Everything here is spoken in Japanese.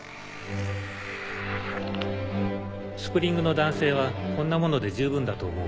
スプリングの弾性はこんなもので十分だと思う。